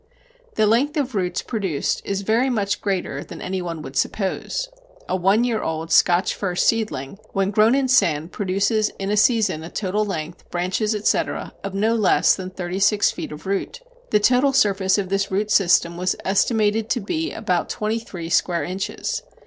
The length of roots produced is very much greater than any one would suppose. A one year old Scotch fir seedling when grown in sand produced in a season a total length (branches, etc.) of no less than thirty six feet of root. The total surface of this root system was estimated to be about twenty three square inches.